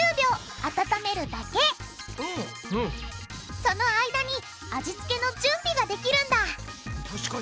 その間に味付けの準備ができるんだ確かに。